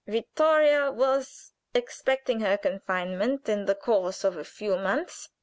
Vittoria was expecting her confinement in the course of a few months.